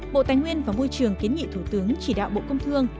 bộ tài nguyên và môi trường kiến nghị thủ tướng chỉ đạo bộ công thương